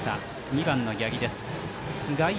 ２番の八木です。